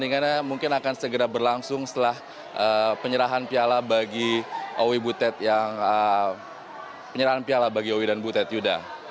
dan kemudian oi butet menang dan mempersembahkan medali emas